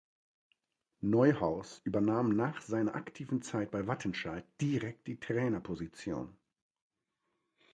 Neuhaus übernahm nach seiner aktiven Zeit bei Wattenscheid direkt die Trainerposition.